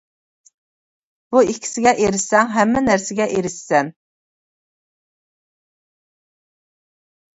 بۇ ئىككىسىگە ئېرىشسەڭ، ھەممە نەرسىگە ئېرىشىسەن!